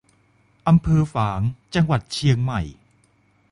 อำเภอฝาง จังหวัดเชียงใหม่